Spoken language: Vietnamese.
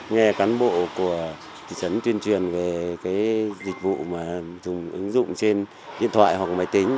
nghe cán bộ của thị trấn tuyên truyền về dịch vụ mà dùng ứng dụng trên điện thoại hoặc máy tính